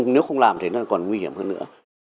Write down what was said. nếu không làm thì nó còn nguy hiểm hơn nữa